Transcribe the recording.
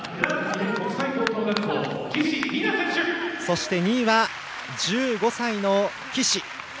そして、２位は１５歳の岸。